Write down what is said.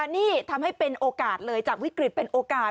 นี่ทำให้เป็นโอกาสเลยจากวิกฤตเป็นโอกาส